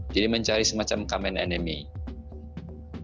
jadi mencari semacam kamen musuh